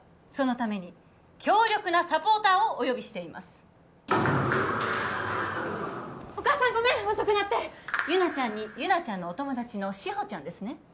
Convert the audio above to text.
そのために強力なサポーターをお呼びしていますお母さんごめん遅くなってユナちゃんにユナちゃんのお友達のシホちゃんですね？